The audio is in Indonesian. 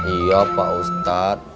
iya pak ustadz